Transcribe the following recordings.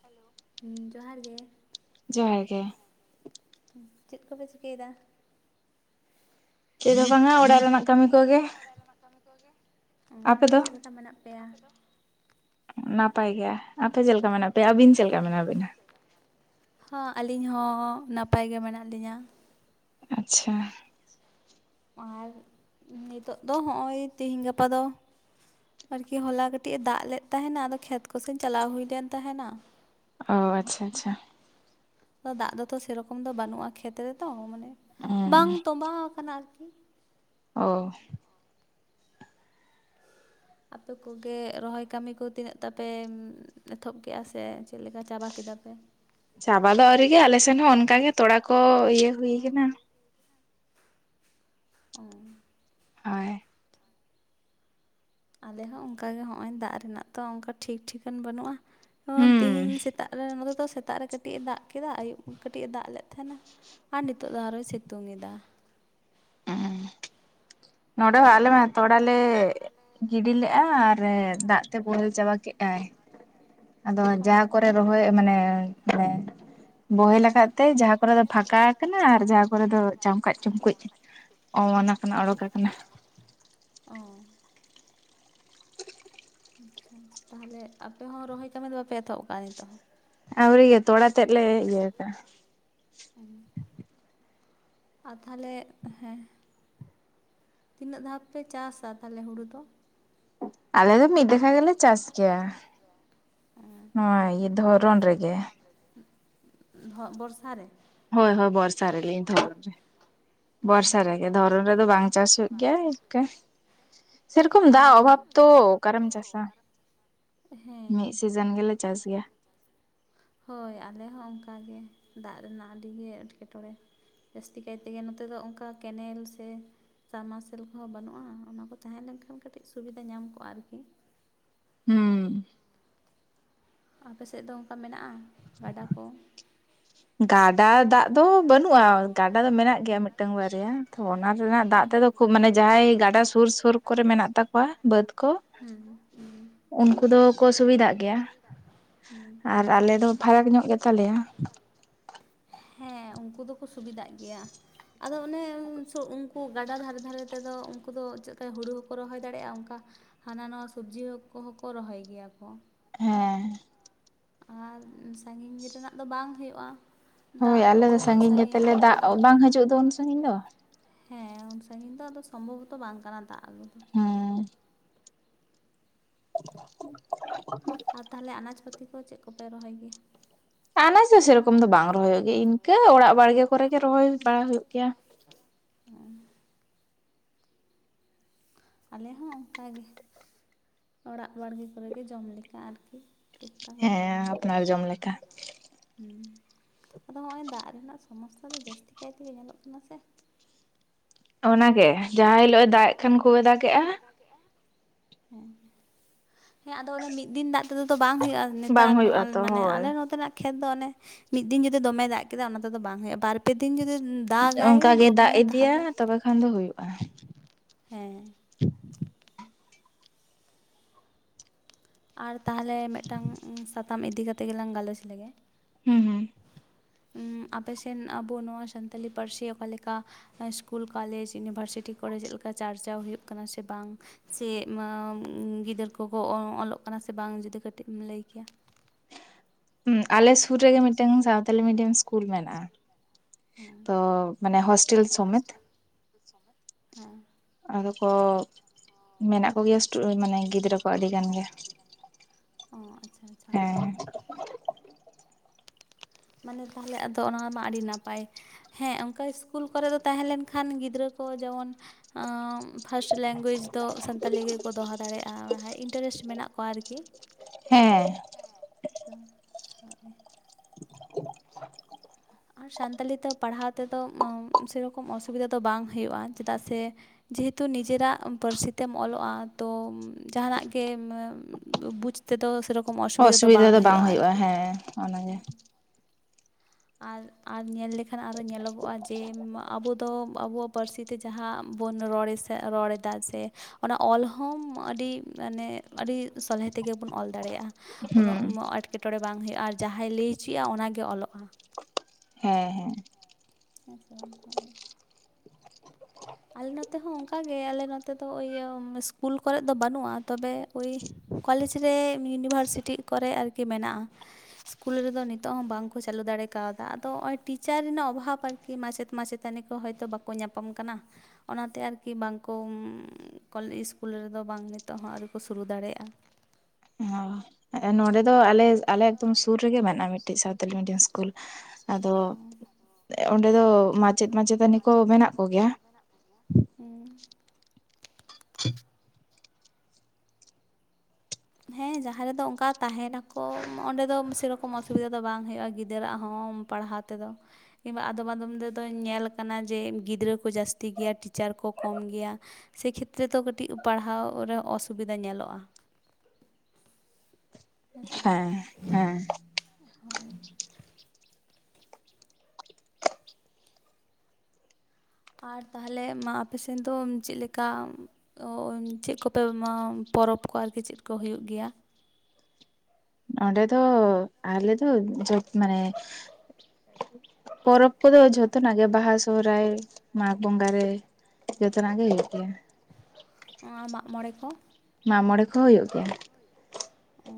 Hello ᱦᱩᱸ ᱡᱚᱦᱟᱨ ᱜᱮ᱾ ᱡᱚᱦᱟᱨ ᱜᱮ᱾ ᱪᱮᱫ ᱠᱚᱯᱮ ᱪᱤᱠᱟᱹᱭᱮᱫᱟ᱾ ᱪᱮᱫ ᱦᱚᱸ ᱵᱟᱝᱟ ᱚᱲᱟᱜ ᱨᱮᱱᱟᱜ ᱠᱟᱹᱢᱤ ᱪᱮᱫ ᱦᱚᱸ ᱠᱚᱜᱮ ᱵᱟᱝᱟ ᱚᱲᱟᱜ ᱨᱮᱱᱟᱜ ᱠᱟᱹᱢᱤ ᱠᱚᱜᱮ ᱚ ᱟᱯᱮ ᱫᱚ ᱪᱮᱫ ᱞᱮᱠᱟ ᱢᱮᱱᱟᱜ ᱯᱮᱭᱟ? ᱱᱟᱯᱟᱭ ᱜᱮ ᱟᱯᱮ ᱪᱮᱫ ᱞᱮᱠᱟ ᱢᱮᱱᱟᱜ ᱯᱮᱭᱟ ᱟᱹᱵᱤᱱ ᱪᱮᱫ ᱞᱮᱠᱟ ᱢᱮᱱᱟᱜ ᱵᱤᱱᱟ? ᱦᱚᱸ ᱟᱹᱞᱤᱧ ᱦᱚᱸ ᱱᱟᱯᱟᱭ ᱜᱮ ᱢᱮᱱᱟᱜ ᱞᱤᱧᱟᱹ᱾ ᱟᱪᱪᱷᱟ᱾ ᱟᱨ ᱱᱤᱛᱳᱜ ᱫᱚ ᱦᱚᱸᱜᱼᱚᱭ ᱛᱤᱦᱤᱧ ᱜᱟᱯᱟ ᱫᱚ ᱟᱨᱠᱤ ᱦᱚᱞᱟ ᱠᱟᱹᱴᱤᱡ ᱮ ᱫᱟᱜ ᱞᱮᱫ ᱛᱟᱦᱮᱱᱟ ᱟᱫᱚ ᱠᱷᱮᱛ ᱠᱚᱥᱮᱱ ᱪᱟᱞᱟᱣ ᱦᱩᱭ ᱞᱮᱱ ᱛᱟᱦᱮᱱᱟ᱾ ᱚ ᱟᱪᱪᱷᱟ ᱟᱪᱪᱷᱟ᱾ ᱫᱟᱜ ᱫᱚᱛᱚ ᱥᱮᱨᱚᱠᱚᱢ ᱫᱚ ᱵᱟᱹᱱᱩᱜᱼᱟ ᱠᱷᱮᱛ ᱨᱮᱛᱚ ᱢᱟᱱᱮ ᱦᱩᱸ ᱵᱟᱝ ᱛᱚᱵᱟᱣ ᱟᱠᱟᱱᱟ ᱟᱨ ᱚᱻ᱾ ᱟᱯᱮ ᱠᱚᱜᱮ ᱨᱚᱦᱚᱭ ᱠᱟᱹᱢᱤ ᱠᱚ ᱛᱤᱱᱟᱹᱜ ᱛᱟᱯᱮ ᱮᱛᱚᱦᱚᱵ ᱠᱮᱫᱮᱜᱼᱟ ᱥᱮ ᱪᱮᱫ ᱞᱮᱠᱟ ᱪᱟᱵᱟ ᱠᱮᱫᱟ? [unintelligible] ᱪᱟᱵᱟ ᱫᱚ ᱟᱭᱨᱤ ᱜᱮ ᱟᱞᱮ ᱥᱮᱱ ᱦᱚᱸ ᱚᱱᱠᱟᱜ ᱜᱮ ᱛᱚᱲᱟ ᱠᱚ ᱤᱭᱟᱹ ᱦᱩᱭ ᱠᱟᱱᱟ᱾ ᱚ᱾ ᱦᱳᱭ᱾ ᱟᱞᱮ ᱦᱚᱸ ᱚᱱᱠᱟᱜ ᱜᱮ ᱦᱚᱜᱼᱚᱭ ᱫᱟᱜ ᱨᱮᱱᱟᱜ ᱛᱚ ᱚᱱᱠᱟ ᱴᱷᱤᱠ ᱴᱷᱤᱠᱟᱹᱱ ᱵᱟᱹᱱᱩᱜᱼᱟ᱾ ᱦᱩᱸ ᱛᱤᱦᱤᱧ ᱥᱮᱛᱟᱜ ᱨᱮ ᱱᱚᱛᱮᱫᱚ ᱥᱮᱛᱟᱜ ᱨᱮ ᱠᱟᱹᱴᱤᱡ ᱮ ᱫᱟᱜ ᱠᱮᱫᱟ ᱟᱹᱭᱩᱵ ᱠᱟᱹᱴᱤᱡ ᱮ ᱫᱟᱜ ᱞᱮᱫ ᱛᱟᱦᱮᱸᱱᱟ ᱟᱨ ᱱᱤᱛᱚᱜ ᱫᱚ ᱟᱨᱚᱸᱭ ᱥᱤᱛᱩᱝ ᱮᱫᱟ᱾ ᱩᱸ ᱱᱚᱰᱮ ᱦᱚᱸ ᱟᱞᱮ ᱢᱟ ᱛᱚᱲᱟ ᱞᱮ ᱜᱤᱰᱤ ᱞᱮᱜᱟ ᱟᱨ ᱫᱟᱜ ᱛᱮ ᱵᱚᱦᱮᱞ ᱪᱟᱵᱟ ᱠᱮᱜᱟᱭ᱾ ᱟᱫᱚ ᱚ ᱡᱟᱦᱟ ᱠᱚᱨᱮ ᱨᱚᱦᱚᱭ ᱢᱟᱱᱮ ᱢᱟᱱᱮ ᱵᱚᱦᱮᱞ ᱟᱠᱟᱫ ᱛᱮ ᱡᱟᱦᱟᱸ ᱠᱚᱨᱮ ᱫᱚ ᱯᱷᱟᱸᱠᱟ ᱠᱟᱱᱟ, ᱟᱨ ᱡᱟᱦᱟᱸ ᱠᱚᱨᱮ ᱫᱚ ᱪᱟᱢᱠᱟᱡ ᱪᱩᱢᱠᱩᱡ ᱚᱱᱟ ᱠᱷᱚᱱᱟᱜ ᱳᱲᱳᱠ ᱟᱠᱟᱱ-ᱟ᱾ ᱚ ᱟᱪᱪᱷᱟ ᱟᱪᱪᱷᱟ ᱛᱟᱦᱟᱞᱮ ᱟᱯᱮ ᱦᱚᱸ ᱨᱚᱦᱚᱭ ᱠᱟᱹᱢᱤ ᱫᱚ ᱵᱟᱯᱮ ᱮᱛᱚᱦᱚᱵ ᱠᱟᱜᱟ ᱱᱤᱛᱳᱜ ᱦᱚᱸ? ᱟᱣᱨᱤ ᱜᱮ ᱛᱚᱲᱟ ᱛᱮᱫ ᱞᱮ ᱤᱭᱟᱹ ᱠᱟᱜᱟ᱾ [unintelligible] ᱟ ᱛᱟᱦᱟᱞᱮ ᱦᱮᱸ ᱛᱤᱱᱟᱹᱜ ᱫᱷᱟᱣ ᱯᱮ ᱪᱟᱥᱟ ᱛᱟᱦᱟᱞᱮ ᱦᱩᱲᱩ ᱫᱚ? ᱟᱞᱮ ᱫᱚ ᱢᱤᱫ ᱫᱮᱠᱷᱟ ᱜᱮᱞᱮ ᱪᱟᱥ ᱜᱮᱭᱟ᱾ ᱱᱚᱣᱟᱭ ᱤᱭᱟᱹ ᱫᱷᱚᱨᱚᱱ ᱨᱮᱜᱮ᱾ ᱦᱚᱸᱜ ᱵᱷᱚᱨᱥᱟ ᱨᱮ? ᱦᱳᱭ ᱦᱳᱭ ᱵᱚᱨᱥᱟ ᱨᱮᱞᱤᱧ [unintelligible] ᱨᱮ ᱵᱚᱨᱥᱟ ᱨᱮᱜᱮ ᱫᱷᱚᱨᱚᱢ ᱨᱮᱫᱚ ᱵᱟᱝ ᱪᱟᱥ ᱦᱩᱭᱩᱜ ᱜᱮᱭᱟ ᱮᱠᱟᱹ ᱥᱮᱨᱚᱠᱚᱢ ᱫᱟᱜ ᱚᱵᱷᱟᱵ ᱛᱚ ᱚᱠᱟᱨᱮᱢ ᱪᱟᱥᱟ ᱦᱮᱸ ᱢᱤᱫ ᱥᱤ ᱡᱟᱱ ᱜᱮᱞᱮ ᱪᱟᱥ ᱜᱮᱭᱟ᱾ ᱦᱳᱭ ᱟᱞᱮ ᱦᱚᱸ ᱚᱝᱠᱟ ᱜᱮ ᱫᱟᱜ ᱨᱮᱱᱟᱜ ᱟᱹᱰᱤ ᱜᱮ ᱮᱴᱠᱮᱴᱚᱬᱮ ᱡᱟᱹᱥᱛᱤ ᱠᱟᱭ ᱛᱮᱜᱮ ᱱᱚᱛᱮ ᱫᱚ ᱚᱝᱠᱟ ᱠᱮᱱᱮᱞ ᱥᱮ ᱥᱟᱢ ᱢᱟᱨᱥᱮᱞ ᱠᱚᱦᱚᱸ ᱵᱟᱹᱱᱩᱜ-ᱟ, ᱚᱱᱟ ᱠᱚ ᱛᱟᱦᱮᱸ ᱞᱮᱱ ᱠᱷᱟᱱ ᱠᱟᱹᱴᱤᱡ ᱥᱩᱵᱤᱫᱟ ᱧᱟᱢ ᱠᱚᱜᱟ ᱟᱨᱠᱤ᱾ ᱦᱩᱸ ᱟᱯᱮ ᱥᱮᱫ ᱫᱚ ᱚᱝᱠᱟ ᱢᱮᱱᱟᱜ-ᱟ ᱜᱟᱰᱟ ᱠᱚ? ᱜᱟᱰᱟ ᱫᱟᱜ ᱫᱚ ᱵᱟᱹᱱᱩᱜ-ᱟ, ᱜᱟᱰᱟ ᱫᱚ ᱢᱮᱱᱟᱜ ᱜᱮᱭᱟ ᱢᱤᱫᱴᱟᱝ ᱵᱟᱨᱭᱟ᱾ ᱛᱷᱚ ᱚᱱᱟ ᱨᱮᱱᱟᱜ ᱫᱟᱜ ᱛᱮᱫᱚ ᱠᱷᱩᱵ ᱢᱟᱱᱮ ᱡᱟᱦᱟᱸᱭ ᱜᱟᱰᱟ ᱥᱩᱨ ᱥᱩᱨ ᱠᱚᱨᱮ ᱢᱮᱱᱟᱜ ᱛᱟᱠᱚᱣᱟ ᱵᱟᱹᱫᱽ ᱠᱚ ᱦᱩᱸ ᱦᱩᱸ ᱩᱱᱠᱩ ᱫᱚᱠᱚ ᱥᱩᱵᱤᱫᱟᱜ ᱜᱮᱭᱟ, ᱦᱩᱸ ᱟᱨ ᱟᱞᱮ ᱫᱚ ᱯᱷᱟᱨᱟᱠ ᱧᱚᱜ ᱜᱮᱛᱟᱞᱮᱭ-ᱟ᱾ ᱦᱮᱸ ᱩᱱᱠᱩ ᱫᱚᱠᱚ ᱥᱩᱵᱤᱫᱷᱟᱜ ᱜᱮᱭᱟ ᱟᱫᱚ ᱚᱱᱮ [unintelligible] ᱠᱩ ᱜᱟᱰᱟ ᱫᱷᱟᱨᱮ ᱫᱷᱟᱨᱮ ᱛᱮᱫᱚ ᱩᱝᱠᱩ ᱫᱚ ᱪᱮᱫᱠᱟ ᱦᱩᱲᱩ ᱦᱚᱸᱠᱚ ᱨᱚᱦᱚᱭ ᱫᱟᱲᱮᱜ-ᱟ, ᱚᱝᱠᱟ ᱦᱟᱱᱟ ᱱᱟᱣᱟ ᱥᱚᱵᱡᱤ ᱦᱚᱸ ᱠᱚᱦᱚᱸᱠᱚ ᱨᱚᱦᱚᱭ ᱜᱮᱭᱟ ᱠᱚ? ᱦᱮᱸ ᱟᱨ ᱥᱟᱹᱜᱤᱧ ᱨᱮᱱᱟᱜ ᱫᱚ ᱵᱟᱝ ᱦᱳᱭᱳᱜ-ᱟ᱾ ᱦᱳᱭ ᱟᱞᱮ ᱫᱚ ᱥᱟᱹᱜᱤᱧ ᱜᱮᱛᱟᱞᱮᱭᱟ ᱫᱟᱜ ᱦᱮᱸ ᱵᱟᱝ ᱦᱟᱡᱩᱜ ᱫᱚ ᱩᱱ ᱥᱟᱹᱜᱤᱧ ᱫᱚ᱾ ᱦᱮᱸ ᱩᱱ ᱥᱟᱹᱜᱤᱧ ᱫᱚ ᱟᱫᱚ ᱥᱚᱢᱵᱷᱚᱵᱚᱛᱚ ᱵᱟᱝ ᱠᱟᱱᱟ ᱫᱟᱜ ᱟᱹᱜᱩ ᱫᱚ᱾ ᱦᱮᱸ [inaudible] ᱟᱨ ᱛᱟᱦᱟᱞᱮ ᱟᱱᱟᱡᱽ ᱯᱟᱹᱛᱤ ᱠᱚ ᱪᱮᱫ ᱠᱚᱯᱮ ᱨᱚᱦᱚᱭ ᱜᱮᱭᱟ? ᱟᱱᱟᱡᱽ ᱦᱚᱸ ᱥᱮᱨᱚᱠᱚᱢ ᱫᱚ ᱵᱟᱝ ᱨᱚᱦᱚ ᱦᱳᱭᱳᱜ ᱜᱮ ᱤᱱᱠᱟᱹ ᱚᱲᱟᱜ ᱵᱟᱲᱜᱮ ᱠᱚᱨᱮ ᱜᱮ ᱨᱚᱦᱚᱭ ᱵᱟᱲᱟ ᱦᱳᱭᱳᱜ ᱜᱮᱭᱟ᱾ ᱦᱩᱸ ᱟᱞᱮ ᱦᱚᱸ ᱚᱝᱠᱟ ᱜᱮ ᱚᱲᱟᱜ ᱵᱟᱲᱜᱮ ᱠᱚᱨᱮᱜ ᱜᱮ ᱡᱚᱢ ᱞᱮᱠᱟ ᱟᱨᱠᱤ᱾ ᱴᱩᱠ ᱴᱟᱠ ᱨᱚᱦᱚᱭ ᱦᱮᱸ ᱦᱩᱭᱩᱜᱼᱟ ᱟᱯᱱᱟᱨ ᱡᱚᱢ ᱞᱮᱠᱟ᱾ ᱦᱩᱸ ᱟᱫᱚ ᱦᱚᱸᱜᱚᱭ ᱫᱟᱜ ᱨᱮᱱᱟᱜ ᱥᱳᱢᱳᱥᱥᱟ ᱫᱚ ᱡᱟᱹᱥᱛᱤ ᱠᱟᱭ ᱛᱮᱜᱮ ᱧᱮᱞᱚᱜ ᱠᱟᱱᱟ ᱥᱮ᱾ ᱚᱱᱟᱜᱮ ᱡᱟᱦᱟᱸ ᱦᱤᱞᱳᱜᱮ ᱫᱟᱜ ᱮᱜ ᱠᱷᱟᱱ ᱠᱷᱩᱵᱮ ᱫᱟᱜ ᱠᱮᱜᱟ ᱦᱩᱸ ᱦᱮᱸ ᱟᱫᱚ ᱚᱱᱮ ᱢᱤᱫ ᱫᱤᱱ ᱫᱟᱜ ᱛᱮᱫᱚ ᱛᱚ ᱵᱟᱝ ᱦᱳᱭᱳᱜ-ᱟ᱾ ᱵᱟᱝ ᱱᱮᱛᱟᱨ ᱱᱚᱜ ᱦᱩᱭᱩᱜᱼᱟ ᱛᱚ ᱢᱟᱱᱮ ᱦᱳᱭ ᱟᱞᱮ ᱱᱚᱛᱮᱱᱟᱜ ᱠᱷᱮᱛ ᱫᱚ ᱚᱱᱮ ᱢᱤᱫ ᱫᱤᱱ ᱡᱩᱫᱤ ᱫᱚᱢᱮ ᱫᱟᱜ ᱠᱮᱫᱟ ᱚᱱᱟ ᱛᱮᱫᱚ ᱵᱟᱝ ᱦᱳᱭᱳᱜ-ᱟ, ᱵᱟᱨ ᱯᱮ ᱫᱤᱱ ᱡᱩᱫᱤ ᱫᱟᱜᱟᱭ ᱚᱱᱠᱟ ᱜᱮ ᱫᱚᱢᱮ ᱫᱟᱜ ᱤᱫᱤᱭᱟ ᱛᱟᱦᱚᱞᱮ ᱛᱚᱵᱮ ᱠᱷᱟᱱ ᱫᱚ ᱦᱩᱭᱩᱜᱼᱟ᱾ ᱦᱮᱸ᱾ ᱟᱨ ᱛᱟᱦᱚᱞᱮ ᱢᱤᱫᱴᱟᱝ ᱥᱟᱛᱟᱢ ᱤᱫᱤ ᱠᱟᱛᱮ ᱜᱮᱞᱟᱝ ᱜᱟᱞᱚᱪ ᱞᱮᱜᱮ᱾ ᱦᱩᱸ ᱦᱩᱸ᱾ ᱩᱸ ᱟᱯᱮᱥᱮᱱ ᱟᱵᱚ ᱱᱚᱣᱟ ᱥᱟᱱᱛᱟᱞᱤ ᱯᱟᱹᱨᱥᱤ ᱚᱠᱟᱞᱮᱠᱟ ᱥᱠᱩᱞ, ᱠᱚᱞᱮᱡᱽ, ᱤᱭᱩᱱᱤᱵᱷᱟᱨᱥᱤᱴᱤ ᱠᱚᱨᱮ ᱪᱮᱫ ᱞᱮᱠᱟ ᱪᱟᱨᱪᱟᱣ ᱦᱩᱭᱩᱜ ᱠᱟᱱᱟ ᱥᱮ ᱵᱟᱝ? ᱪᱮᱜ ᱢᱟ ᱩᱸ ᱜᱤᱫᱟᱹᱨ ᱠᱚᱠᱚ ᱚᱞᱚᱜ ᱠᱟᱱᱟ ᱥᱮ ᱵᱟᱝ ᱡᱩᱫᱤ ᱠᱟᱹᱴᱤᱡ ᱮᱢ ᱞᱟᱹᱭ ᱠᱮᱭᱟ? ᱟᱞᱮ ᱥᱩᱨ ᱨᱮᱜᱮ ᱢᱤᱫᱴᱟᱝ ᱥᱟᱣᱛᱟᱞᱤ ᱢᱤᱰᱤᱭᱟᱢ ᱥᱠᱩᱞ ᱢᱮᱱᱟᱜᱼᱟ᱾ ᱦᱮᱸ ᱛᱚ ᱢᱟᱱᱮ ᱦᱚᱥᱴᱮᱞ ᱥᱚᱢᱮᱛ᱾ [inaudible] ᱦᱮᱸ ᱟᱫᱚ ᱠᱚ ᱢᱮᱱᱟᱜ ᱠᱚᱜᱮᱭᱟ ᱥᱴᱩ ᱢᱟᱱᱮ ᱜᱤᱫᱽᱨᱟᱹ ᱠᱚ ᱟᱹᱰᱤ ᱜᱟᱱ ᱜᱮ᱾ ᱚᱸ ᱟᱪᱪᱷᱟ ᱟᱪᱪᱷᱟ᱾ ᱦᱮᱸ ᱢᱟᱱᱮ ᱛᱟᱦᱚᱞᱮ ᱟᱫᱚ ᱚᱱᱟ ᱢᱟ ᱟᱹᱰᱤ ᱱᱟᱯᱟᱭ ᱦᱮᱸ ᱚᱱᱠᱟ ᱤᱥᱠᱩᱞ ᱠᱚᱨᱮᱫᱚ ᱛᱟᱦᱮᱸ ᱞᱮᱱᱠᱷᱟᱱ ᱜᱤᱫᱽᱨᱟᱹ ᱠᱚ ᱡᱮᱢᱚᱱ ᱯᱷᱟᱥᱴ ᱞᱮᱝᱜᱩᱭᱮᱡᱽ ᱫᱚ ᱥᱟᱱᱛᱟᱞᱤ ᱜᱮᱠᱚ ᱫᱚᱦᱚ ᱫᱟᱲᱮᱭᱟᱜᱼᱟ ᱤᱱᱴᱟᱨᱮᱥᱴ ᱢᱮᱱᱟᱜ ᱠᱚᱣᱟ ᱟᱨᱠᱤ᱾ ᱦᱮᱸ᱾ ᱦᱮᱸ ᱪᱚᱝ [unintelligible] ᱟᱨ ᱥᱟᱱᱛᱟᱞᱤ ᱛᱮ ᱯᱟᱲᱦᱟᱣ ᱛᱮᱫᱚ ᱥᱮᱨᱚᱠᱚᱢ ᱚᱥᱩᱵᱤᱫᱷᱟ ᱫᱚ ᱵᱟᱝ ᱦᱩᱭᱩᱜᱼᱟ ᱪᱮᱫᱟᱜ ᱥᱮ ᱡᱮᱦᱮᱛᱩ ᱱᱤᱡᱮᱨᱟᱜ ᱯᱟᱹᱨᱥᱤ ᱛᱮᱢ ᱚᱞᱚᱜᱼᱟ ᱛᱚ ᱡᱟᱦᱟᱱᱟᱜ ᱜᱮ ᱵᱩᱡᱽ ᱛᱮᱫᱚ ᱥᱮᱨᱚᱠᱚᱢ ᱚᱥᱩᱵᱤᱫᱷᱟ ᱫᱚ ᱵᱟᱝ ᱦᱩᱭᱩᱜᱼᱟ ᱟᱨᱠᱤ᱾ ᱦᱮᱸ ᱟᱨ ᱟᱨ ᱧᱮᱞ ᱞᱮᱠᱷᱟᱱ ᱟᱨᱚ ᱧᱮᱞᱚᱜᱚᱜᱼᱟ ᱡᱮ ᱟᱵᱚ ᱫᱚ ᱟᱵᱚᱣᱟᱜ ᱯᱟᱹᱨᱥᱤ ᱛᱮ ᱡᱟᱦᱟ ᱵᱚᱱ ᱨᱚᱲ ᱨᱚᱲ ᱮᱫᱟ ᱥᱮ ᱚᱱᱟ ᱚᱞ ᱦᱚᱢ ᱟᱹᱰᱤ ᱢᱟᱱᱮ ᱟᱹᱰᱤ ᱥᱚᱞᱦᱮ ᱛᱮᱜᱮ ᱵᱚᱱ ᱚᱞ ᱫᱟᱲᱮᱭᱟᱜᱼᱟ᱾ ᱩᱱᱟᱹᱜ ᱮᱸᱴᱠᱮᱴᱚᱬᱮᱸ ᱵᱟᱝ ᱦᱩᱭᱩᱜᱼᱟ, ᱟᱨ ᱡᱟᱦᱟᱸᱭ ᱞᱟᱹᱭ ᱦᱚᱪᱚᱭᱼᱟ ᱚᱱᱟᱜᱮ ᱚᱞᱚᱜᱼᱟ᱾ ᱦᱮᱸ ᱦᱮᱸ᱾ ᱦᱮᱸ ᱥᱮ ᱵᱟᱝ ᱦᱳᱭ? ᱟᱞᱮ ᱱᱚᱛᱮ ᱦᱚᱸ ᱚᱱᱠᱟᱜᱮ ᱟᱞᱮ ᱱᱚᱛᱮ ᱫᱚ ᱤᱭᱟᱹ ᱤᱥᱠᱩᱞ ᱠᱚᱨᱮᱫ ᱫᱚ ᱵᱟᱹᱱᱩᱜᱼᱟ ᱛᱚᱵᱮ ᱳᱭ ᱠᱚᱞᱮᱡᱽ ᱨᱮ ᱤᱭᱩᱱᱤᱵᱷᱟᱨᱥᱤᱴᱤ ᱠᱚᱨᱮ ᱟᱨᱠᱤ ᱢᱮᱱᱟᱜᱼᱟ᱾ ᱤᱥᱠᱩᱞ ᱨᱮᱫᱚ ᱱᱤᱛᱳᱜ ᱦᱚᱸ ᱵᱟᱝ ᱠᱚ ᱪᱟᱹᱞᱩ ᱫᱟᱲᱮ ᱠᱟᱣᱫᱟ ᱟᱫᱚ ᱦᱚᱸᱜᱼᱚᱭ ᱴᱤᱪᱟᱨ ᱨᱮᱱᱟᱜ ᱚᱵᱷᱟᱵᱽ ᱟᱨᱠᱤ ᱢᱟᱪᱮᱫ ᱢᱟᱪᱮᱫ ᱪᱮᱛᱟᱱᱤ ᱠᱚ ᱦᱳᱭᱛᱚ ᱵᱟᱠᱚ ᱧᱟᱯᱟᱢ ᱠᱟᱱᱟ᱾ ᱚᱱᱟᱛᱮ ᱟᱨᱠᱤ ᱵᱟᱝ ᱠᱚ ᱤᱥᱠᱩᱞ ᱨᱮ ᱫᱚ ᱵᱟᱝ ᱱᱤᱛᱚᱜ ᱦᱚᱸ ᱟᱹᱣᱨᱤ ᱠᱚ ᱥᱩᱨᱩ ᱫᱟᱲᱮᱭᱟᱜᱼᱟ᱾ ᱚᱻ ᱱᱚᱸᱰᱮ ᱫᱚ ᱟᱞᱮ ᱟᱞᱮ ᱮᱠᱫᱚᱢ ᱥᱩᱨ ᱨᱮᱜᱮ ᱢᱮᱱᱟᱜᱼᱟ ᱢᱤᱫᱴᱤᱡ ᱥᱟᱣᱛᱟᱞᱤ ᱢᱤᱰᱤᱭᱟᱢ᱾ ᱤᱥᱠᱩᱞ ᱟᱫᱚ ᱚ ᱚᱸᱰᱮ ᱫᱚ ᱢᱟᱪᱮᱫ ᱢᱟᱪᱮᱛᱟᱹᱱᱤ ᱠᱚ ᱢᱮᱱᱟᱜ ᱠᱚᱜᱮᱭᱟ᱾ ᱦᱩᱸ᱾ ᱦᱮᱸ ᱡᱟᱦᱟ ᱨᱮᱫᱚ ᱚᱱᱠᱟ ᱛᱟᱦᱮᱸᱱᱟᱠᱚ ᱚᱸᱰᱮ ᱫᱚ ᱥᱮᱨᱚᱠᱚᱢ ᱚᱥᱩᱵᱤᱫᱷᱟ ᱫᱚ ᱵᱟᱝ ᱦᱳᱭᱳᱜᱼᱟ ᱜᱤᱫᱽᱨᱟᱹ ᱟᱜ ᱦᱚᱸ ᱯᱟᱲᱦᱟᱣ ᱛᱮᱫᱚ᱾ ᱠᱤᱢᱵᱟ ᱟᱫᱚᱢ ᱟᱫᱚᱢ ᱨᱮᱫᱚᱧ ᱧᱮᱞ ᱟᱠᱟᱱᱟ ᱡᱮ ᱜᱤᱫᱽᱨᱟᱹ ᱠᱚ ᱡᱟᱹᱥᱛᱤ ᱜᱮᱭᱟ ᱴᱤᱪᱟᱨ ᱠᱚ ᱠᱚᱢ ᱜᱮᱭᱟ᱾ ᱥᱮ ᱠᱷᱮᱛᱨᱮ ᱫᱚ ᱠᱟᱹᱴᱤᱡ ᱯᱟᱲᱦᱟᱣ ᱨᱮ ᱚᱥᱩᱵᱤᱫᱟ ᱧᱮᱞᱚᱜ-ᱟ᱾ ᱦᱮᱸ ᱥᱮ ᱵᱟᱝ? ᱮᱸ ᱦᱳᱭ᱾ ᱟᱨ ᱛᱟᱦᱟᱞᱮ ᱢᱟ ᱟᱯᱮ ᱥᱮᱫ ᱫᱚ ᱪᱮᱫ ᱞᱮᱠᱟ? ᱪᱮᱫ ᱠᱚᱯᱮ ᱯᱚᱨᱚᱵᱽ ᱠᱚ ᱟᱨᱠᱤ ᱪᱮᱫ ᱠᱚ ᱦᱩᱭᱩᱜ ᱜᱮᱭᱟ? ᱚᱸᱰᱮ ᱫᱚ ᱟᱞᱮ ᱫᱚ ᱡᱷᱚᱛ ᱢᱟᱱᱮ ᱯᱚᱨᱚᱵᱽ ᱠᱚᱫᱚ ᱡᱷᱚᱛᱚᱱᱟᱜ ᱜᱮ ᱵᱟᱦᱟ ᱥᱚᱦᱚᱨᱟᱭ᱾ ᱢᱟᱜᱽ ᱵᱚᱸᱜᱟ ᱨᱮ ᱡᱚᱛᱚᱱᱟᱜ ᱜᱮ ᱦᱩᱭᱩᱜ ᱜᱮᱭᱟ᱾ ᱱᱚᱣᱟ ᱢᱟᱜ-ᱢᱚᱬᱮᱸ ᱠᱚ? ᱢᱟᱜ-ᱢᱚᱬᱮᱸ ᱠᱚᱦᱚᱸ ᱦᱩᱭᱩᱜ ᱜᱮᱭᱟ᱾ ᱚ᱾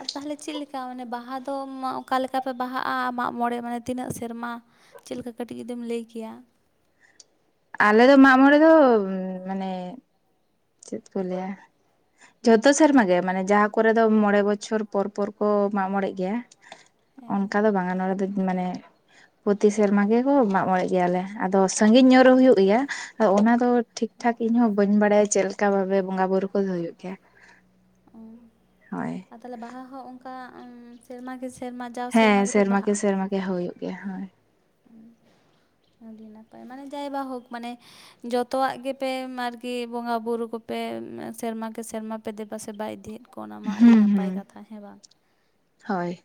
ᱟᱨ ᱛᱟᱦᱚᱞᱮ ᱪᱮᱫ ᱞᱮᱠᱟ ᱢᱟᱱᱮ ᱵᱟᱦᱟ ᱫᱚ ᱢᱟ ᱚᱠᱟ ᱞᱮᱠᱟ ᱯᱮ ᱵᱟᱦᱟᱜᱼᱟ ᱟ ᱢᱟᱜ-ᱢᱚᱬᱮᱸ ᱢᱟᱱᱮ ᱛᱤᱱᱟᱹᱜ ᱥᱮᱨᱢᱟ ᱪᱮᱫ ᱞᱮᱠᱟ ᱠᱟᱹᱴᱤᱡ ᱡᱩᱫᱤᱢ ᱞᱟᱹᱭ ᱠᱮᱭᱟ? ᱟᱞᱮ ᱫᱚ ᱢᱟᱜ-ᱢᱚᱬᱮᱸ ᱫᱚ ᱢᱟᱱᱮ ᱪᱮᱫ ᱠᱚ ᱞᱮᱭᱟ ᱡᱷᱚᱛᱚ ᱥᱮᱨᱢᱟ ᱜᱮ ᱢᱟᱱᱮ ᱡᱟᱦᱟ ᱠᱚᱨᱮ ᱫᱚ ᱢᱚᱬᱮᱸ ᱵᱚᱪᱷᱚᱨ ᱯᱚᱨ ᱯᱚᱨ᱾ ᱠᱚ ᱢᱟᱜᱺᱢᱚᱬᱮᱸᱜ ᱜᱮᱭᱟ, ᱦᱮᱸ ᱚᱱᱠᱟ ᱫᱚ ᱵᱟᱝᱼᱟ ᱱᱚᱰᱮ ᱫᱚ ᱢᱟᱱᱮ ᱯᱨᱚᱛᱤ ᱥᱮᱨᱢᱟ ᱜᱮᱠᱚ ᱢᱟᱜ-ᱢᱚᱬᱮᱸᱜ ᱜᱮᱭᱟᱞᱮ ᱟᱫᱚ ᱥᱟᱺᱜᱤᱧ ᱧᱚᱜ ᱨᱮ ᱦᱩᱭᱩᱜ ᱜᱮᱭᱟ ᱟ ᱚᱱᱟ ᱫᱚ ᱴᱷᱤᱠ ᱴᱷᱟᱠ ᱤᱧ ᱦᱚᱸ ᱵᱟᱹᱧ ᱵᱟᱲᱟᱭᱟ? ᱪᱮᱫ ᱞᱮᱠᱟ ᱵᱷᱟᱵᱮ ᱵᱚᱸᱜᱟ ᱵᱩᱨᱩ ᱠᱚᱫᱚ ᱦᱩᱭᱩᱜ ᱜᱮᱭᱟ᱾ ᱦᱳᱭ, ᱛᱟᱞᱦᱮ ᱵᱟᱦᱟ ᱦᱚᱸ ᱚᱱᱠᱟ ᱩᱸ ᱥᱮᱨᱢᱟ ᱜᱮ ᱥᱮᱨᱢᱟ ᱡᱟᱣ ᱥᱮᱨᱢᱟ ᱦᱮᱸ ᱜᱮᱯᱮ ᱠᱮ ᱵᱟᱦᱟᱜᱼᱟ? ᱥᱮᱨᱢᱟ ᱜᱮ ᱦᱳᱭᱳᱜ ᱜᱮᱭᱟ ᱦᱳᱭ᱾ [inaudible] ᱟᱹᱰᱤ ᱱᱟᱯᱟᱭ ᱢᱟᱱᱮ ᱡᱟᱭ ᱵᱟ ᱦᱳᱠ ᱢᱟᱱᱮ ᱡᱚᱛᱚᱣᱟᱜ ᱜᱮᱯᱮ ᱟᱨᱠᱤ ᱵᱚᱸᱜᱟ ᱵᱩᱨᱩ ᱠᱚᱯᱮ ᱥᱮᱨᱢᱟ ᱠᱮ ᱥᱮᱨᱢᱟ ᱯᱮ ᱫᱮᱵᱟ ᱥᱮᱵᱟ ᱤᱫᱤᱭᱮᱫ ᱠᱚ ᱚᱱᱟ ᱢᱟ ᱟᱹᱰᱤ ᱦᱩᱸ ᱱᱟᱯᱟᱭ ᱦᱩᱸ ᱠᱟᱛᱷᱟ ᱦᱮᱸ ᱵᱟᱝ ᱦᱳᱭ᱾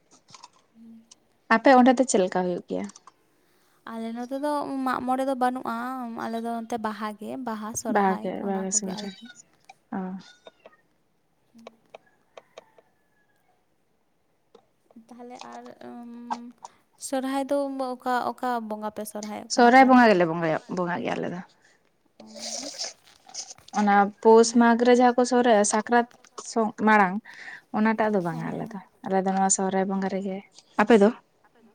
ᱟᱯᱮ ᱚᱸᱰᱮ ᱫᱚ ᱪᱮᱫ ᱞᱮᱠᱟ ᱦᱩᱭᱩᱜ ᱜᱮᱭᱟ [inaudible] ᱟᱞᱮ ᱱᱚᱛᱮ ᱫᱚ ᱢᱟᱜ-ᱢᱚᱬᱮᱸ ᱫᱚ ᱵᱟᱹᱱᱩᱜᱼᱟ ᱟᱞᱮ ᱫᱚ ᱱᱚᱛᱮ ᱵᱟᱦᱟ ᱜᱮ ᱵᱟᱦᱟ ᱥᱚᱨᱦᱟᱭ ᱜᱮ ᱚᱱᱟ ᱵᱟᱦᱟ ᱠᱚᱜᱮ ᱥᱚᱦᱨᱟᱭ ᱟᱨᱠᱤ᱾ ᱚ᱾ ᱛᱟᱦᱞᱮ ᱟᱨ ᱚᱢ ᱥᱚᱨᱦᱟᱭ ᱫᱚ ᱚᱠᱟ ᱚᱠᱟ ᱵᱚᱸᱜᱟ ᱯᱮ ᱥᱚᱨᱦᱟᱭᱚᱜ ᱠᱟᱱᱟ ᱥᱚᱦᱨᱟᱭ ᱛᱟᱦᱚᱞᱮ? ᱵᱚᱸᱜᱟ ᱜᱮᱞᱮ ᱥᱚᱦᱨᱟᱭ ᱵᱚᱸᱜᱟᱭᱟ ᱵᱚᱸᱜᱟᱜ ᱜᱮᱭᱟ ᱟᱞᱮ ᱫᱚ। ᱚᱱᱟ ᱯᱳᱥ ᱦᱮᱸ ᱛᱚ ᱢᱟᱜᱽ ᱨᱮ ᱡᱟᱦᱟᱸ ᱠᱚ ᱥᱚᱦᱨᱟᱭᱼᱟ। ᱥᱟᱠᱨᱟᱛ ᱥᱚᱝ ᱢᱟᱲᱟᱝ᱾ ᱚᱱᱟᱴᱟᱜ ᱫᱚ ᱵᱟᱝᱟ ᱦᱮᱸ ᱟᱞᱮ ᱫᱚ। ᱦᱮᱸ ᱟᱞᱮ ᱫᱚ ᱱᱚᱣᱟ ᱥᱚᱦᱚᱨᱟᱭ ᱵᱚᱸᱜᱟ ᱨᱮᱜᱮ। ᱟᱯᱮ ᱫᱚ? ᱟᱯᱮ ᱫᱚ,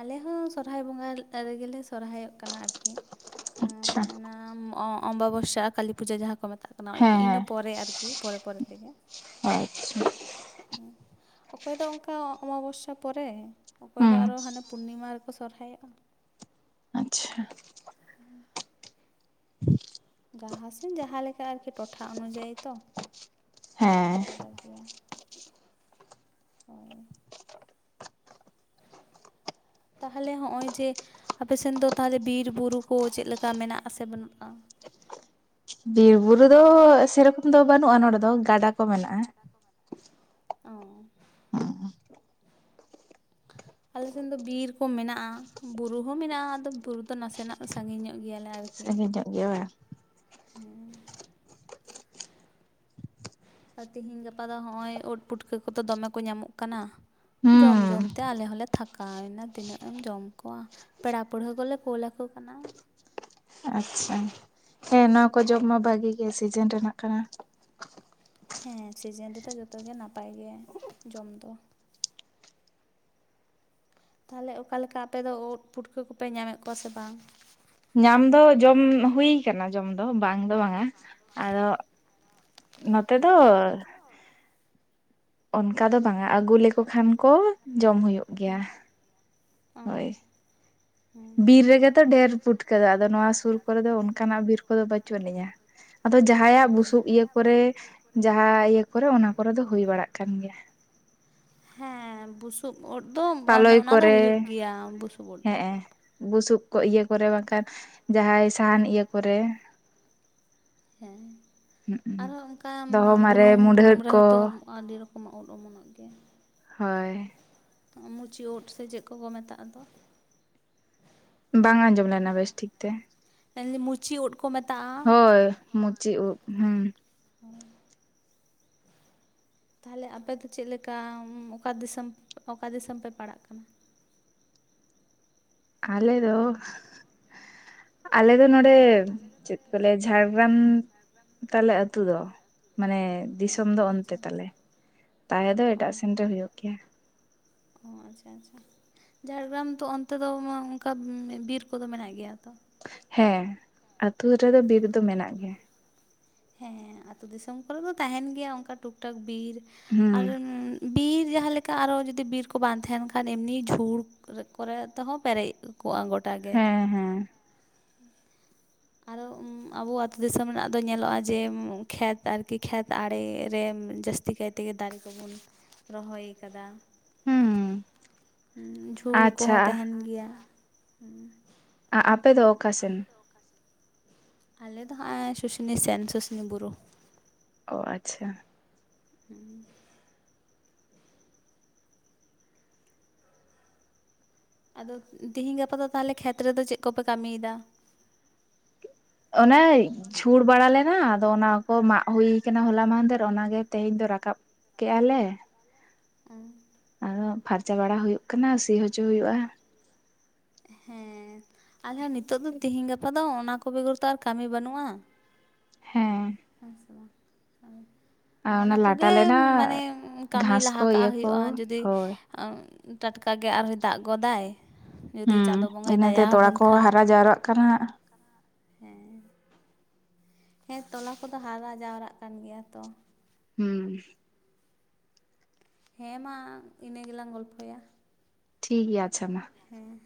ᱟᱞᱮ ᱦᱚᱸ ᱥᱚᱨᱦᱟᱭ ᱵᱚᱸᱜᱟ ᱨᱮᱜᱮ ᱥᱚᱨᱦᱟᱭᱚᱜ ᱠᱟᱱᱟ ᱟᱨᱠᱤ। ᱟᱪᱪᱷᱟ। ᱟᱢ ᱚᱼᱚᱢᱵᱟᱵᱚᱥᱟ ᱠᱟᱞᱤ ᱯᱩᱡᱟᱹ ᱡᱟᱦᱟᱸ ᱠᱚ ᱢᱮᱛᱟᱜ ᱠᱟᱱᱟ, ᱤᱱ ᱦᱮᱸ ᱤᱱᱟᱹ ᱯᱚᱨᱮ ᱟᱨᱠᱤ, ᱯᱚᱨᱮ ᱯᱚᱨᱮ ᱛᱮᱜᱮ। ᱚ, ᱟᱪᱪᱷᱟ। ᱦᱚᱸ᱾ ᱚᱠᱚᱭ ᱫᱚ ᱚᱱᱠᱟ ᱚᱢᱟᱵᱚᱥᱥᱟ ᱯᱚᱨᱮ, ᱚᱠᱚᱭ ᱫᱚ ᱦᱩᱸ ᱟᱨᱚ ᱦᱟᱱᱮ ᱯᱩᱱᱱᱤᱢᱟ ᱨᱮᱠᱚ ᱥᱚᱨᱦᱟᱭᱚᱜᱼᱟ। ᱟᱪᱪᱷᱟ। [inaudible] ᱡᱟᱦᱟᱸ ᱥᱮᱱ ᱡᱟᱦᱟᱸ ᱞᱮᱠᱟ ᱟᱨᱠᱤ, ᱴᱚᱴᱷᱟ ᱚᱱᱩᱡᱟᱭᱤ ᱛᱚ, ᱦᱮᱸ ᱟᱞᱟᱫᱟ ᱜᱮᱭᱟ। ᱦᱳᱭ। [inaudible] ᱛᱟᱦᱟᱞᱮ ᱦᱚᱸᱜᱼᱚᱭ ᱡᱮ ᱟᱯᱮ ᱥᱮᱱ ᱫᱚ ᱛᱟᱦᱟᱞᱮ ᱵᱤᱨ ᱵᱩᱨᱩ ᱠᱚ ᱪᱮᱫ ᱞᱮᱠᱟ ᱢᱮᱱᱟᱜᱼᱟ ᱥᱮ ᱵᱟᱹᱱᱩᱜᱼᱟ? ᱵᱤᱨ ᱵᱩᱨᱩ ᱫᱚ ᱥᱮᱨᱚᱠᱚᱢ ᱫᱚ ᱵᱟᱹᱱᱩᱜᱼᱟ ᱱᱚᱰᱮ ᱫᱚ, ᱜᱟᱰᱟ ᱠᱚ ᱢᱮᱱᱟᱜᱼᱟ। ᱚ ᱟᱞᱮ ᱥᱮᱱ ᱫᱚ ᱵᱤᱨ ᱠᱚ ᱢᱮᱱᱟᱜᱼᱟ, ᱵᱩᱨᱩ ᱦᱚᱸ ᱢᱮᱱᱟᱜᱼᱟ, ᱟᱫᱚ ᱵᱩᱨᱩ ᱫᱚ ᱱᱟᱥᱮᱱᱟᱜ ᱥᱟᱺᱜᱤᱧ ᱧᱚᱜ᱾ ᱜᱮᱭᱟᱞᱮ ᱟᱨᱠᱤ ᱥᱟᱺᱜᱤᱧ ᱧᱚᱜ ᱜᱮᱭᱟ ᱵᱟᱝ? ᱦᱮᱸ ᱟᱨ ᱛᱤᱦᱤᱧ ᱜᱟᱯᱟ ᱫᱚ ᱦᱚᱸᱜᱼᱚᱭ, ᱩᱫ ᱯᱩᱴᱠᱟᱹ ᱠᱚᱫᱚ ᱫᱚᱢᱮ ᱠᱚ ᱧᱟᱢᱚᱜ ᱠᱟᱱᱟ। ᱡᱚᱢ ᱦᱩᱸ ᱡᱚᱢᱛᱮ ᱟᱞᱮ ᱦᱚᱸᱞᱮ ᱛᱷᱟᱠ ᱠᱟᱣ ᱮᱱᱟ, ᱛᱤᱱᱟᱹᱜ ᱮᱢ ᱡᱚᱢ ᱠᱚᱣᱟ? ᱯᱮᱲᱟ ᱯᱟᱹᱲᱦᱟᱹ ᱠᱚᱞᱮ ᱠᱳᱞ ᱟᱠᱚ ᱠᱟᱱᱟ। ᱟᱪᱪᱷᱟ, ᱦᱮᱸ ᱱᱚᱣᱟ ᱠᱚ ᱡᱚᱢ ᱢᱟ ᱵᱷᱟᱜᱤ ᱜᱮᱭᱟ ᱥᱤᱡᱮᱱ ᱨᱮᱱᱟᱜ ᱠᱟᱱᱟ᱾ ᱦᱮᱸ ᱥᱤᱡᱮᱱ ᱨᱮᱫᱚ ᱡᱚᱛᱚ ᱜᱮ ᱱᱟᱯᱟᱭ ᱜᱮᱜᱟ ᱡᱚᱢ ᱫᱚ᱾ ᱛᱟᱦᱟᱞᱮ ᱚᱠᱟ ᱞᱮᱠᱟ ᱟᱯᱮ ᱫᱚ ᱩᱫ ᱯᱷᱩᱴᱠᱟᱹ ᱠᱚᱯᱮ ᱧᱟᱢᱮᱫ ᱠᱚᱣᱟ ᱥᱮ ᱵᱟᱝ? ᱧᱟᱢ ᱫᱚ ᱡᱚᱢ ᱦᱩᱭ ᱠᱟᱱᱟ ᱡᱚᱢ ᱫᱚ ᱵᱟᱝ ᱫᱚ ᱵᱟᱝᱟ, ᱟᱫᱚ ᱱᱚᱛᱮ ᱫᱚ ᱚᱱᱠᱟ ᱫᱚ ᱵᱟᱝᱟ ᱟᱹᱜᱩ ᱞᱮᱠᱚ ᱠᱷᱟᱱ ᱠᱚ ᱡᱚᱢ ᱦᱩᱭᱩᱜ ᱜᱮᱭᱟ᱾ ᱚᱸᱻ ᱦᱳᱭ ᱵᱤᱨ ᱨᱮᱜᱮ ᱛᱚ ᱰᱷᱮᱨ ᱯᱩᱴᱠᱟᱹ ᱫᱚ ᱟᱫᱚ ᱱᱚᱣᱟ ᱥᱩᱨ ᱠᱚᱨᱮ ᱫᱚ ᱚᱱᱠᱟᱱᱟᱜ ᱵᱤᱨ ᱠᱚᱫᱚ ᱵᱟᱹᱪᱩᱜ ᱟᱹᱱᱤᱢ-ᱟ᱾ ᱟᱫᱚ ᱡᱟᱦᱟᱸᱭᱟᱜ ᱵᱩᱥᱩᱵ ᱤᱭᱟᱹ ᱠᱚᱨᱮ ᱡᱟᱦᱟᱸ ᱤᱭᱟᱹ ᱠᱚᱨᱮ ᱚᱱᱟ ᱠᱚᱨᱮ ᱫᱚ ᱦᱩᱭ ᱵᱟᱲᱟᱜ ᱠᱟᱱ ᱜᱮᱭᱟ᱾ ᱦᱮᱸ, ᱵᱩᱥᱩᱵ ᱩᱫ ᱫᱚ ᱚᱱᱮ ᱯᱟᱞᱚᱭ ᱚᱱᱟ ᱫᱚ ᱠᱚᱨᱮ ᱦᱩᱭᱩᱜ ᱜᱮᱭᱟ ᱵᱩᱥᱩᱵ ᱩᱫ ᱫᱚ᱾ ᱦᱮᱸ ᱵᱩᱥᱩᱵ ᱠᱚ ᱤᱭᱟᱹ ᱠᱚᱨᱮ ᱵᱟᱝᱠᱷᱟᱱ, ᱡᱟᱦᱟᱸᱭ ᱥᱟᱦᱟᱱ ᱤᱭᱟᱹ ᱠᱚᱨᱮ ᱦᱮᱸ ᱟᱨᱦᱚᱸ ᱚᱱᱠᱟ ᱫᱚᱦᱚ ᱢᱟᱨᱮ ᱵᱩᱱᱩᱢ, ᱵᱩᱱᱩᱢ ᱢᱩᱰᱷᱟᱹᱫ ᱠᱚ ᱨᱮᱦᱚᱸ ᱛᱚ ᱟᱹᱰᱤ ᱨᱚᱠᱚᱢᱟᱜ ᱩᱫ ᱚᱢᱚᱱᱚᱜ ᱜᱮᱭᱟ᱾ ᱦᱳᱭ᱾ ᱢᱩᱪᱤ ᱩᱫ ᱥᱮ ᱪᱮᱫ ᱠᱚᱠᱚ ᱢᱮᱛᱟᱜ ᱫᱚ? ᱵᱟᱝ ᱟᱸᱡᱚᱢ ᱞᱮᱱᱟ ᱵᱮᱥ ᱴᱷᱤᱠ ᱛᱮ᱾ [unintelligible] ᱢᱩᱪᱤ ᱩᱫ᱾ ᱠᱚ ᱢᱮᱛᱟᱜ-ᱟ᱾ ᱦᱳᱭ, ᱢᱩᱪᱤ ᱩᱫ᱾ ᱦᱩᱸ᱾ [unintelligible] ᱛᱟᱦᱚᱞᱮ ᱟᱯᱮ ᱫᱚ ᱪᱮᱫ ᱞᱮᱠᱟ? ᱚᱠᱟ ᱫᱤᱥᱚᱢ ᱚᱠᱟ ᱫᱤᱥᱚᱢ ᱯᱮ ᱯᱟᱲᱟᱜ ᱠᱟᱱᱟ? ᱟᱞᱮ ᱫᱚ ᱟᱞᱮ ᱫᱚ ᱱᱚᱰᱮᱻ ᱪᱮᱫ ᱠᱚ ᱞᱟᱹᱭᱟ ᱡᱷᱟᱲᱜᱨᱟᱢ ᱛᱟᱞᱮ ᱟᱹᱛᱩ ᱫᱚ, ᱢᱟᱱᱮ ᱚ ᱫᱤᱥᱚᱢ ᱫᱚ ᱚᱱᱛᱮ ᱟᱪᱪᱷᱟ ᱛᱟᱞᱮ᱾ ᱛᱟᱦᱮᱸ ᱫᱚ ᱮᱴᱟᱜ ᱥᱮᱱ ᱨᱮ ᱦᱩᱭᱩᱜ ᱜᱮᱭᱟ᱾ ᱚᱸᱻ ᱟᱪᱪᱷᱟ ᱟᱪᱪᱷᱟ᱾ ᱡᱷᱟᱲᱜᱨᱟᱢ ᱛᱚ ᱚᱱᱛᱮ ᱫᱚ, ᱚᱱᱠᱟ ᱵᱤᱨ ᱠᱚᱫᱚ ᱢᱮᱱᱟᱜ ᱜᱮᱭᱟ ᱛᱚ? ᱦᱮᱸ ᱟᱹᱛᱩ ᱨᱮᱫᱚ ᱵᱤᱨ ᱫᱚ ᱢᱮᱱᱟᱜ ᱜᱮᱭᱟ᱾ ᱦᱮᱸ ᱟᱹᱛᱩ ᱫᱤᱥᱚᱢ ᱠᱚᱨᱮ ᱫᱚ ᱛᱟᱦᱮᱱ ᱜᱮᱭᱟ ᱚᱱᱠᱟ ᱴᱩᱠ ᱴᱟᱠ ᱵᱤᱨ ᱦᱩᱸ ᱟᱨ ᱵᱤᱨ ᱡᱟᱦᱟᱸ ᱞᱮᱠᱟ ᱟᱨᱚ ᱡᱩᱫᱤ ᱵᱤᱨ ᱠᱚ ᱵᱟᱝ ᱛᱟᱦᱮᱱ ᱠᱷᱟᱱ ᱮᱢᱱᱤ ᱡᱷᱩᱲ ᱠᱚᱨᱮ ᱛᱮᱦᱚᱸ ᱯᱮᱨᱮᱡ ᱠᱚᱜ-ᱟ ᱜᱚᱴᱟ ᱜᱮ᱾ ᱦᱮᱸ ᱦᱮᱸ [unintelligible] ᱟᱨᱚ ᱟᱵᱚ ᱟᱛᱳ ᱫᱤᱥᱚᱢ ᱨᱮᱱᱟᱜ ᱫᱚ ᱧᱮᱞᱚᱜ-ᱟ ᱡᱮ ᱠᱷᱮᱛ ᱟᱨᱠᱤ ᱠᱷᱮᱛ ᱟᱲᱮᱨᱮ ᱡᱟᱹᱥᱛᱤ ᱡᱟᱹᱥᱛᱤ ᱠᱟᱭᱛᱮᱜᱮ ᱫᱟᱨᱮ ᱠᱚᱵᱚᱱ ᱨᱚᱦᱚᱭ ᱠᱟᱫᱟ᱾ ᱦᱩᱸ ᱡᱷᱩᱲ ᱠᱚᱦᱚᱸ ᱟᱪᱪᱷᱟ ᱛᱟᱦᱮᱱ ᱜᱮᱭᱟ᱾ ᱟ ᱟᱯᱮ ᱫᱚ ᱚᱠᱟ ᱥᱮᱱ? ᱟᱞᱮ ᱫᱚ ᱦᱟᱸᱜ ᱟᱭ ᱥᱩᱥᱩᱱᱤ ᱥᱮᱱ ᱥᱩᱥᱩᱱᱤ ᱵᱩᱨᱩ᱾ ᱚ ᱟᱪᱪᱷᱟ᱾ ᱦᱩᱸ ᱟᱫᱚ ᱛᱤᱦᱤᱧ ᱜᱟᱯᱟ ᱫᱚ ᱛᱟᱦᱚᱞᱮ ᱠᱷᱮᱛ ᱨᱮᱫᱚ ᱪᱮᱫ ᱠᱚᱯᱮ ᱠᱟᱹᱢᱤᱭᱮᱫᱟ? ᱚᱱᱮᱭ ᱡᱷᱩᱲ ᱵᱟᱲᱟ ᱞᱮᱱᱟ ᱟᱫᱚ ᱚᱱᱟ ᱠᱚ ᱢᱟᱜ ᱦᱩᱭ ᱠᱟᱱᱟ ᱦᱚᱞᱟ ᱢᱟᱦᱟᱫᱮᱨ ᱚᱱᱟᱜᱮ ᱛᱮᱦᱮᱧ ᱫᱚ ᱨᱟᱠᱟᱵ ᱠᱮᱜ-ᱟ ᱞᱮ᱾ [inaudible] ᱟᱫᱚ ᱯᱷᱟᱨᱪᱟ ᱵᱟᱲᱟ ᱦᱩᱭᱩᱜ ᱠᱟᱱᱟ ᱥᱤ ᱦᱚᱪᱚ ᱦᱩᱭᱩᱜ-ᱟ᱾ ᱦᱮᱸ ᱟᱞᱮ ᱦᱚᱸ ᱱᱤᱛᱚᱜ ᱫᱚ ᱛᱤᱦᱤᱧ ᱜᱟᱯᱟ ᱫᱚ ᱚᱱᱟ ᱠᱚ ᱵᱮᱜᱚᱨ ᱛᱚ ᱟᱨ ᱠᱟᱹᱢᱤ ᱵᱟᱹᱱᱩᱜᱼᱟ ᱦᱮᱸ ᱦᱮᱸ ᱥᱮ ᱵᱟᱝ ᱦᱳᱭ ᱟᱨ ᱚᱱᱟ ᱞᱟᱴᱟ ᱠᱚᱜᱮ ᱞᱮᱱᱟ ᱢᱟᱱᱮ ᱠᱟᱹᱢᱤ ᱜᱷᱟᱥ ᱞᱟᱦᱟ ᱠᱚ ᱤᱭᱟᱹ ᱠᱟᱜ ᱠᱚ ᱦᱳᱭᱳᱜᱼᱟ ᱡᱩᱫᱤ ᱦᱳᱭ ᱟᱸ ᱴᱟᱴᱠᱟᱜᱮ ᱟᱨᱦᱚᱸᱭ ᱫᱟᱜ ᱜᱚᱫᱟᱭ ᱡᱩᱫᱤ ᱦᱩᱸ ᱪᱟᱸᱫᱳ ᱵᱚᱸᱜᱟᱭ ᱤᱱᱟᱹᱛᱮ ᱫᱟᱭᱟ ᱛᱚᱲᱟ ᱟᱵᱚᱱ ᱠᱚᱦᱚᱸ ᱠᱷᱟᱱ ᱦᱟᱨᱟ ᱡᱟᱣᱨᱟᱜ ᱠᱟᱱᱟ ᱦᱮᱸ ᱦᱮᱸ ᱛᱚᱞᱟ ᱠᱚᱫᱚ ᱦᱟᱨᱟ ᱡᱟᱣᱨᱟᱜ ᱠᱟᱱ ᱜᱮᱭᱟ ᱛᱚ ᱦᱩᱸ ᱦᱮᱸ ᱢᱟ ᱤᱱᱟᱹ ᱜᱮᱞᱟᱝ ᱜᱚᱞᱯᱷᱚᱭᱟ ᱴᱷᱤᱠ ᱜᱮᱭᱟ ᱟᱪᱷᱟ ᱢᱟ ᱦᱮᱸ